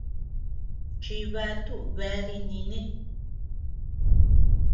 Chibatu bea dinínit.